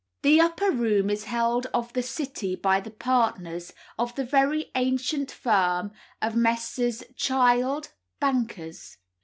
The upper room is held of the City by the partners of the very ancient firm of Messrs. Child, bankers.